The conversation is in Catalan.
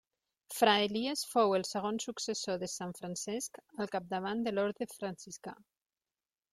Fra Elies fou el segon successor de sant Francesc al capdavant de l'orde franciscà.